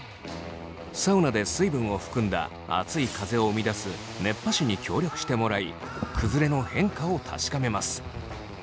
サウナで水分を含んだ熱い風を生み出す熱波師に協力してもらい崩れの変化を確かめます。